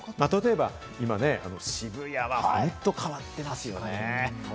例えば今、渋谷は本当に変わっていますよね。